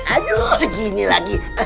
aduh gini lagi